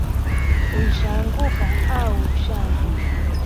Unshaanguka/ushaanguka